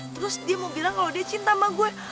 terus dia mau bilang kalau dia cinta sama gue